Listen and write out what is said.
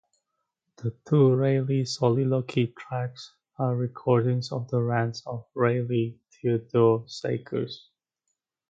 The two "Raleigh Soliloquy" tracks are recordings of the rants of Raleigh Theodore Sakers.